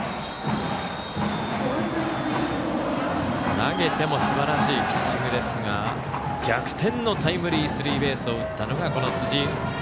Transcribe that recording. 投げてもすばらしいピッチングですが逆転のタイムリースリーベースを打ったのが、この辻井。